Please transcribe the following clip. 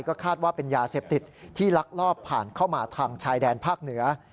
ก็คาดว่าเป็นยาเสพติดที่ลักลอบผ่านเข้ามาทางชายแดนภาคเหนือ